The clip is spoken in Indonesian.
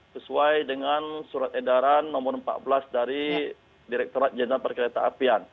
sesuai dengan surat edaran nomor empat belas dari direkturat jenderal perkereta apian